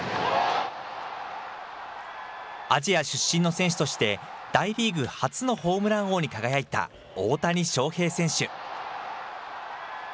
アジア出身の選手として、大リーグ初のホームラン王に輝いた大谷翔平選手。